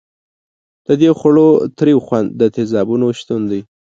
د دې خوړو تریو خوند د تیزابونو شتون دی.